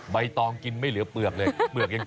ใบตองกินไม่เหลือเปลือกเลย